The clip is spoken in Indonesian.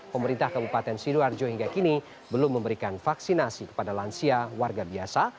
pemerintah kabupaten sidoarjo hingga kini belum memberikan vaksinasi kepada lansia warga biasa